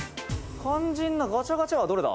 「肝心のガチャガチャはどれだ？」